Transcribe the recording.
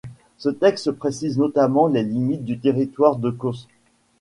Ce texte précise notamment les limites du territoire de Cos.